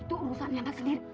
itu urusan anak sendiri